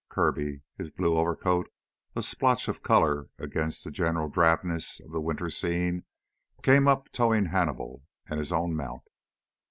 Kirby, his blue overcoat a splotch of color against the general drabness of the winter scene, came up towing Hannibal and his own mount.